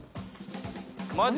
マジ？